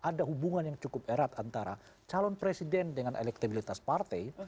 ada hubungan yang cukup erat antara calon presiden dengan elektabilitas partai